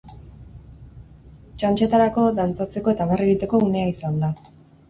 Txantxetarako, dantzatzeko eta barre egiteko unea izan da.